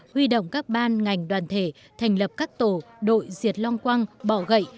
huy động các ban ngành đoàn thể thành lập các tổ đội diệt long quăng bỏ gậy